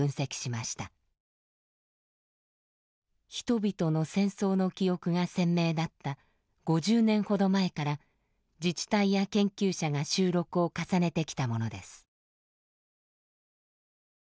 人々の戦争の記憶が鮮明だった５０年ほど前から自治体や研究者が収録を重ねてきたものです。